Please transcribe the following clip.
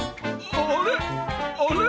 あれ？